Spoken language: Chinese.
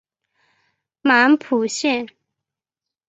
满浦线